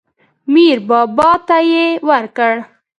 میر بابا ته یې ورکړ.